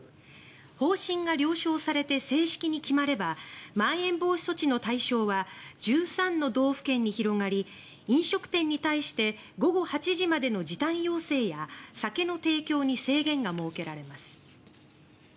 方針が了承されて正式に決まればまん延防止措置の対象は１３の道府県に広がり飲食店に対して午後８時までの時短要請や酒の提供に制限が設けられます。